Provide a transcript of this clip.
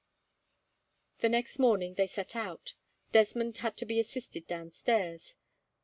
The next morning they set out. Desmond had to be assisted downstairs.